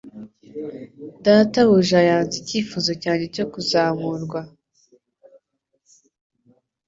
Databuja yanze icyifuzo cyanjye cyo kuzamurwa.